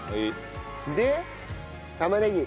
で玉ねぎ。